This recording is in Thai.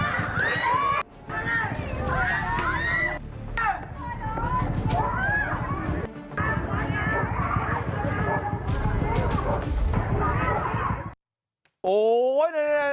นักเรียงมัธยมจะกลับบ้าน